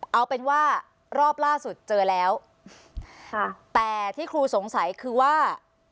เอาเป็นว่ารอบล่าสุดเจอแล้วค่ะแต่ที่ครูสงสัยคือว่า